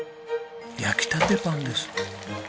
焼きたてパンです。